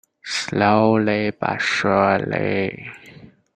Slowly but surely.